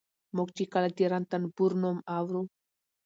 موږ چې کله د رنتنبور نوم اورو